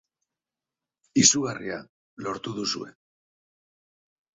Izugarria, lortu duzue.